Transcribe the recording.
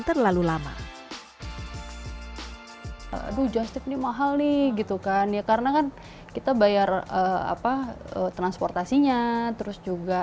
terlalu lama aduh jastik nih mahal nih gitu kan ya karena kan kita bayar apa transportasinya terus juga